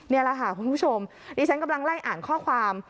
นี่แหละค่ะคุณผู้ชมดิฉันกำลังไล่อ่านข้อความ